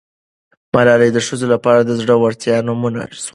ملالۍ د ښځو لپاره د زړه ورتیا نمونه سوه.